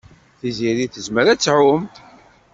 Tiziri tezmer ad tɛum.